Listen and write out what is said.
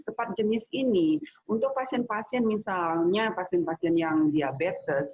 tepat jenis ini untuk pasien pasien misalnya pasien pasien yang diabetes